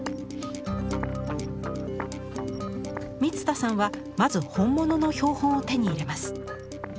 満田さんはまず本物の標本を手に入れます。